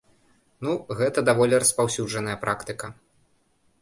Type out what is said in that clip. Ну, гэта даволі распаўсюджаная практыка.